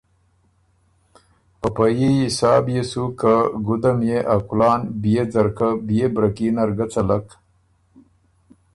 په په يي حساب سُو که ګُده ميې ا کُلان بيې ځرکه بيې بره کي نر ګۀ څلک